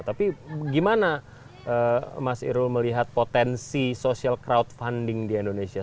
tapi gimana mas irul melihat potensi social crowdfunding di indonesia